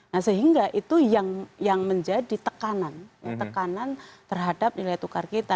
nah sehingga itu yang menjadi tekanan terhadap nilai tukar kita